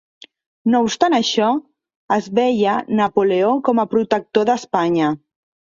No obstant això, es veia Napoleó com a protector d'Espanya.